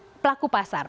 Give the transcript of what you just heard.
bagi pelaku pasar